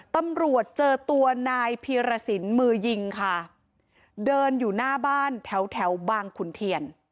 ตำรวจเจอตัวนายพีรสินมือยิงค่ะเดินอยู่หน้าบ้านแถวแถวบางขุนเทียน